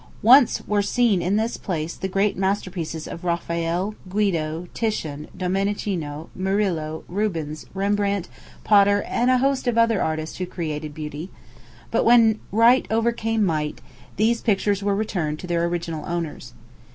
Once were seen in this place the great masterpieces of Raphael, Guido, Titian, Domenichino, Murillo, Rubens, Rembrandt, Potter, and a host of other artists who created beauty; but when right overcame might, these pictures were returned to their original owners.